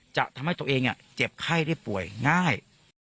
จะทำให้ตัวเองเจ็บไข้ได้ป่วยง่าย